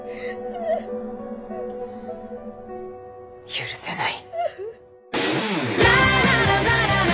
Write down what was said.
許せない。